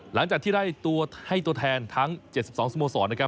หลังจากที่ได้ตัวให้ตัวแทนทั้ง๗๒สโมสรนะครับ